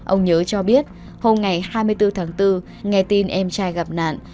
ông nhớ cho biết hôm ngày hai mươi bốn tháng bốn nghe tin em trai gặp nạn